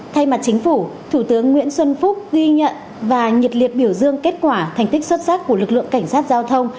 thay mặt chính phủ thủ tướng nguyễn xuân phúc ghi nhận và nhiệt liệt biểu dương kết quả thành tích xuất sắc của lực lượng cảnh sát giao thông